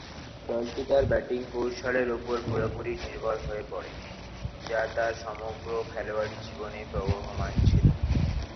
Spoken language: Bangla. দলটি তার ব্যাটিং কৌশলের উপর পুরোপুরি নির্ভর হয়ে পরে যা তার সমগ্র খেলোয়াড়ী জীবনে প্রবহমান ছিল।